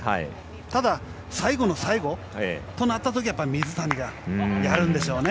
ただ、最後の最後となった時は水谷がやるんでしょうね。